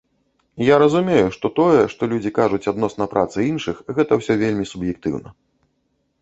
Я разумею, што тое, што людзі кажуць адносна працы іншых, гэта ўсё вельмі суб'ектыўна.